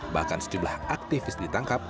bahkan sejumlah aktivis ditangkap